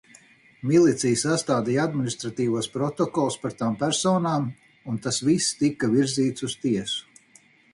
Milicija sastādīja administratīvos protokolus par tām personām, un tas viss tika virzīts uz tiesu.